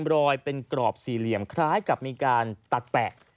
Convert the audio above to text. รางวัลที่๑ที่ออกคือ